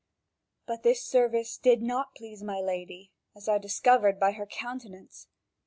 But this service did not please my lady, as I discovered by her countenance.